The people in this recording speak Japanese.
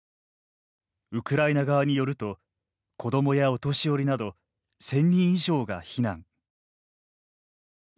ウクライナ側によると子どもやお年寄りなど１０００人以上が避難。